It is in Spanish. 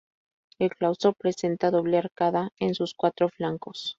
El claustro presenta doble arcada en sus cuatro flancos.